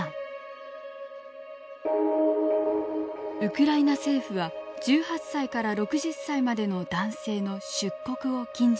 ウクライナ政府は１８歳から６０歳までの男性の出国を禁じました。